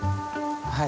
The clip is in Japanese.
はい。